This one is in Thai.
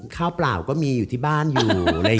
ข้าวเปล่าก็มีอยู่ที่บ้านอยู่